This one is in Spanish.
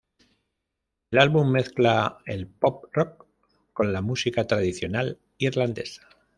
El álbum mezcla el pop-rock con la música tradicional irlandesa.